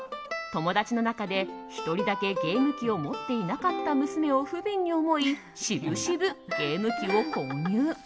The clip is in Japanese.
友達の中で１人だけゲーム機を持っていなかった娘を不憫に思い渋々、ゲーム機を購入。